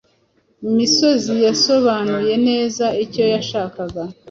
Misozi yasobanuye neza icyo yashakaga.